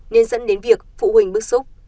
nên dẫn đến việc phụ huynh bức xúc